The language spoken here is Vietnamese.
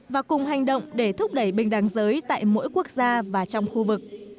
và cùng hành động để thúc đẩy bình đẳng giới tại mỗi quốc gia và trong khu vực